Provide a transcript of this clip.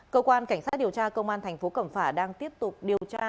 cơ quan cảnh sát điều tra công an thành phố cẩm phả đang tiếp tục điều tra